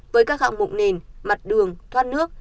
với các hạng mộng nền mặt đường thoát nước